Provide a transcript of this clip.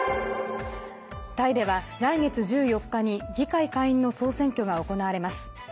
タイでは来月１４日に議会下院の総選挙が行われます。